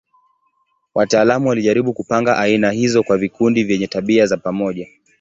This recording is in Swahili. Wataalamu walijaribu kupanga aina hizo kwa vikundi vyenye tabia za pamoja.